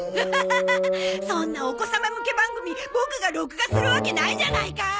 そんなお子様向け番組ボクが録画するわけないじゃないか！